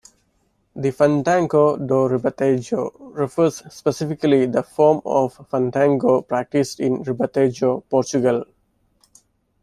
The "fandango do Ribatejo" refers specifically the form of fandango practiced in Ribatejo, Portugal.